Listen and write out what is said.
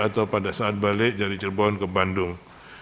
atau pada saat balik dari cirebon ke bandung